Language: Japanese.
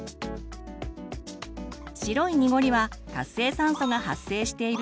白い濁りは活性酸素が発生している証拠。